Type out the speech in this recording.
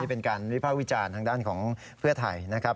เป็นการวิภาควิจารณ์ทางด้านของเพื่อไทยนะครับ